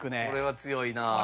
これは強いな。